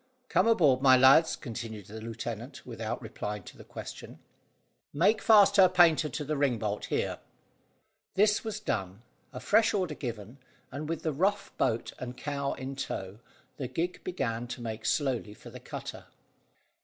"Come aboard, my lads," continued the lieutenant, without replying to the question. "Make fast her painter to the ring bolt here." This was done, a fresh order given, and, with the rough boat and cow in tow, the gig began to make slowly for the cutter.